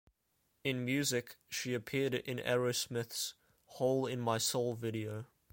In music, she appeared in Aerosmith's "Hole in My Soul" video.